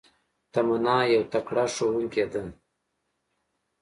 تمنا يو تکړه ښوونکي ده